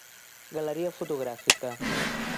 Galeria fotogràfica.